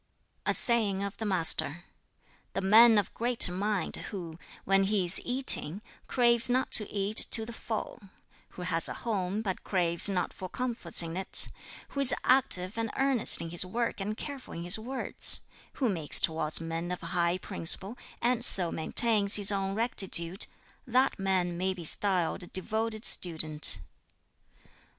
A saying of the Master: "The man of greater mind who, when he is eating, craves not to eat to the full; who has a home, but craves not for comforts in it; who is active and earnest in his work and careful in his words; who makes towards men of high principle, and so maintains his own rectitude that man may be styled a devoted student."